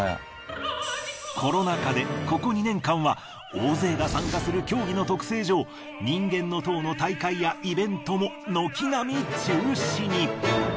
コロナ禍でここ２年間は大勢が参加する競技の特性上人間の塔の大会やイベントも軒並み中止に。